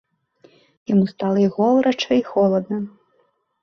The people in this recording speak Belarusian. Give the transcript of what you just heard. Яму стала і горача і холадна.